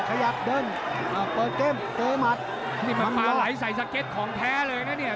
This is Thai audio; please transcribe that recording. ขยับเดินอ้าวเปิดเกมเจอหมัดนี่มันปลาไหลใส่สเก็ตของแท้เลยนะเนี่ย